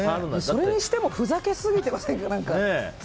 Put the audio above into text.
それにしてもふざけすぎてませんか。